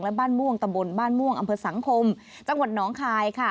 และบ้านม่วงตำบลบ้านม่วงอำเภอสังคมจังหวัดหนองคายค่ะ